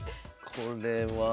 これは。